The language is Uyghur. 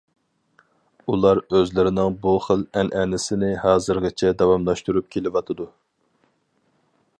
ئۇلار ئۆزلىرىنىڭ بۇ خىل ئەنئەنىسىنى ھازىرغىچە داۋاملاشتۇرۇپ كېلىۋاتىدۇ.